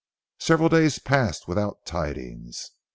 Several days passed without tidings.